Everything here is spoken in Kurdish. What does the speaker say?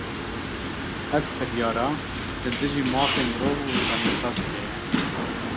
Ev kiryara, li dijî mafê mirov û demokrasiyê ye